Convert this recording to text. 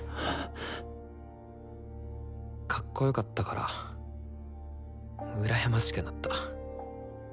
かっこよかったから羨ましくなった。